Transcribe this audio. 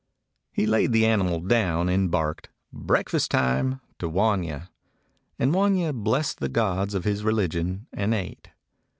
He laid the animal down, and barked, "Breakfast time!" to Wanya. And W anya blessed the gods of his religion, and ate.